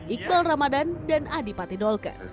iqbal ramadan dan adi patidolke